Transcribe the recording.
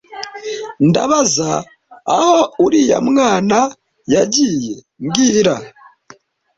Ndabaza aho uriya mwana yagiye mbwira